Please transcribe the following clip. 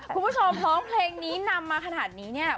คุณผู้ชมร้องเพลงนี้นำมาขนาดนี้เนี่ย